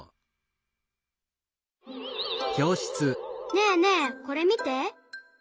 ねえねえこれみて。